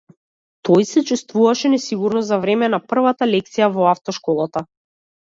Тој се чувствуваше несигурно за време на првата лекција во автошколата.